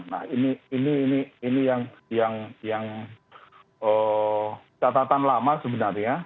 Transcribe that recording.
nah ini yang catatan lama sebenarnya